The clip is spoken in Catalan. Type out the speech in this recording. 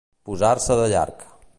Posar-se de llarg.